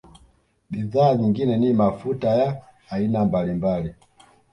Bidhaa nyingine ni mafuta ya aina mbalimbali